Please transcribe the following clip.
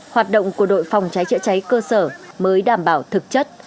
hoạt động của đội phòng cháy chữa cháy cơ sở mới đảm bảo thực chất